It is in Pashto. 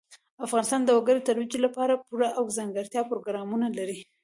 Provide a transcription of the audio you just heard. افغانستان د وګړي د ترویج لپاره پوره او ځانګړي پروګرامونه لري.